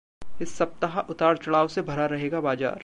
इस सप्ताह उतार-चढ़ाव से भरा रहेगा बाजार